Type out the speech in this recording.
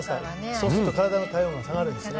そうすると体の体温が下がるんですね。